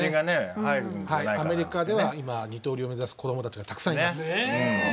アメリカでは二刀流を目指す子どもたちがたくさんいます。